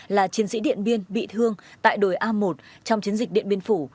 là chiến sĩ điện biên bị thương tại đồi a một trong chiến dịch điện biên phủ